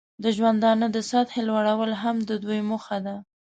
د ژوندانه د سطحې لوړول هم د دوی موخه ده.